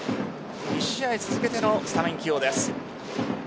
２試合続けてのスタメン起用です。